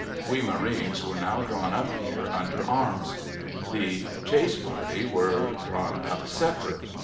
We marines were now drawn up here under arms. The chase party were drawn up separate.